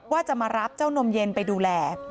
ว่าจะมารับเจ้านมเย็นไปดูแล